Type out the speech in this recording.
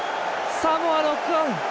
サモア、ノックオン。